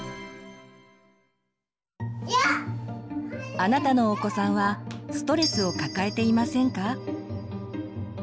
あなたのお子さんはストレスを抱えていませんか？